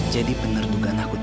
jadi penertugan aku tadi